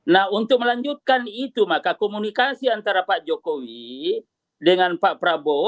nah untuk melanjutkan itu maka komunikasi antara pak jokowi dengan pak prabowo